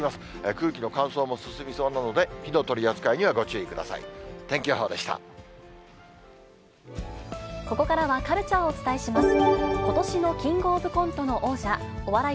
空気の乾燥も進みそうなので、火の取り扱いにはご注意ください。